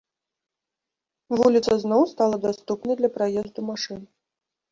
Вуліца зноў стала даступнай для праезду машын.